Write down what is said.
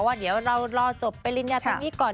ว่าเดี๋ยวเรารอจบปริญญาทางนี้ก่อน